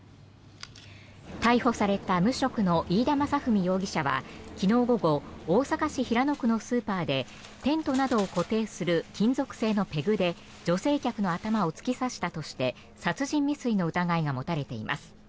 逮捕された無職の飯田雅史容疑者は昨日午後大阪市平野区のスーパーでテントなどを固定する金属製のペグで女性客の頭を突き刺したとして殺人未遂の疑いが持たれています。